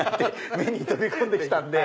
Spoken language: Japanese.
目に飛び込んで来たんで。